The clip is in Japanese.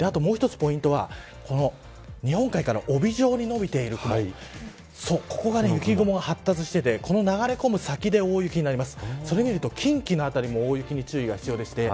ポイントは日本海から帯状に伸びているここが雪雲が発達して流れ込む先で大雪になります。